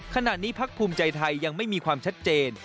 ขณะนี้พักภูมิใจไทยยังไม่มีความชัดเจน